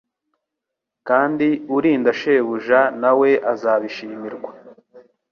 kandi urinda shebuja na we azabishimirwa